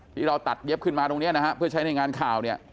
ที่เราตัดเย็บขึ้นมาตรงนี้นะฮะเพื่อใช้ในงานข่าวเนี่ย